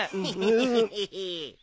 ヘヘヘッ。